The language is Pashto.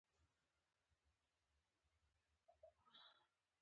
هغه څوک چې دوستي او ملګرتیا ژر شلوي.